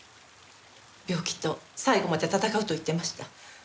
病気と最後まで闘うと言ってました。